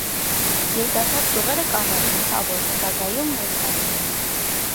Երիտասարդ ճյուղերը կանաչ են, թավոտ, հետագայում մերկանում են։